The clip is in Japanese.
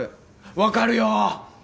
分かるよ！